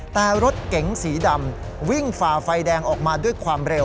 แต่รถเก๋งสีดำวิ่งฝ่าไฟแดงออกมาด้วยความเร็ว